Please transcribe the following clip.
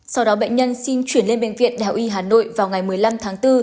sau đó bệnh nhân xin chuyển lên bệnh viện đại học y hà nội vào ngày một mươi năm tháng bốn